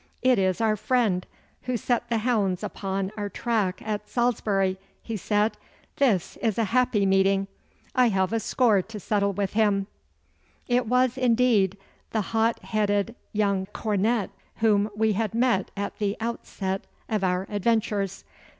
'It is our friend who set the hounds upon our track at Salisbury,' he said. 'This is a happy meeting. I have a score to settle with him.' It was, indeed, the hot headed young comet whom we had met at the outset of our adventures.